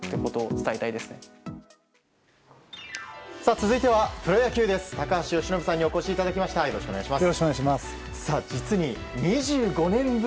続いてはプロ野球です。